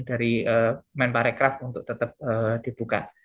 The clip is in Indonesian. dari member aircraft untuk tetap dibuka